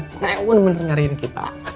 dia pasti sneun sneun menurut nyariin kita